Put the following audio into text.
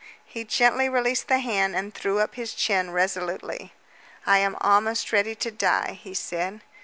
He gently released the hand and threw up his chin resolutely. "I am almost ready to die," he said.